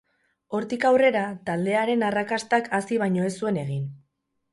Hortik aurrera, taldearen arrakastak hazi baino ez zuen egin.